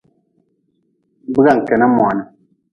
Kwiarah.